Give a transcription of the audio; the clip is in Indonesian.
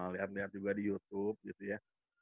lihat lihat juga di youtube gitu ya